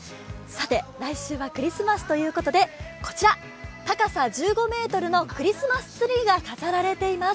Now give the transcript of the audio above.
来週はクリスマスということで高さ１５ｍのクリスマスツリーが飾られています。